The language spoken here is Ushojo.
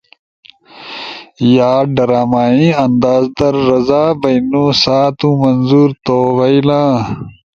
یا ڈرامائی انداز در رضا بیئنو سا تُو منظور تو بئیلا۔